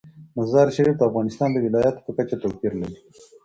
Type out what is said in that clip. مزارشریف د افغانستان د ولایاتو په کچه توپیر لري.